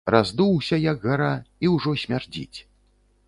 Раздуўся, як гара, і ўжо смярдзіць.